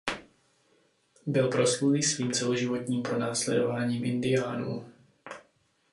Byl proslulý svým celoživotním pronásledováním Indiánů.